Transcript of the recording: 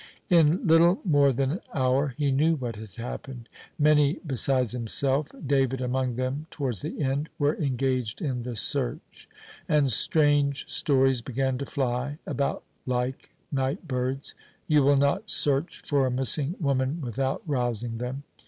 In little more than an hour he knew what had happened. Many besides himself, David among them towards the end, were engaged in the search. And strange stories began to fly about like night birds; you will not search for a missing woman without rousing them.